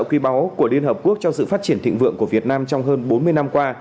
quý báu của liên hợp quốc cho sự phát triển thịnh vượng của việt nam trong hơn bốn mươi năm qua